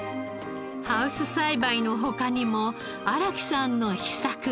ハウス栽培の他にも荒木さんの秘策が。